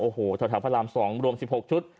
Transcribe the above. โอ้โหแถวพระราม๒รวม๑๖ชุด